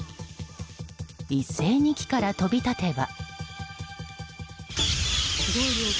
一斉に木から飛び立てば。